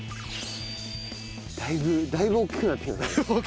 だいぶだいぶ大きくなってきましたね。